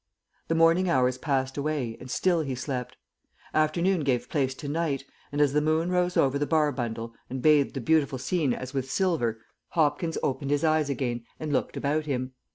The morning hours passed away and still he slept. Afternoon gave place to night, and as the moon rose over the Barbundle and bathed the beautiful scene as with silver, Hopkins opened his eyes again and looked about him.